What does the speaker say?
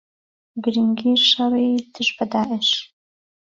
گرنگی شەڕی دژ بە داعش